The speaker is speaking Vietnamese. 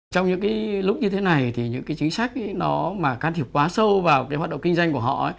trong những cái lúc như thế này thì những cái chính sách nó mà can thiệp quá sâu vào cái hoạt động kinh doanh của họ